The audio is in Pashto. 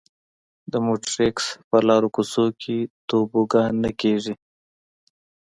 د مونټریکس په لارو کوڅو کې توبوګان نه کېږي.